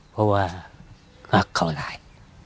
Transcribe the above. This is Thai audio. เพราะว่ารักเขาหลาย